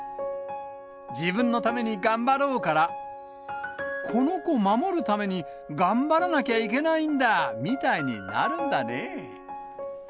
自分のために頑張ろうから、この子守るために頑張らなきゃいけないんだみたいになるんだねぇ。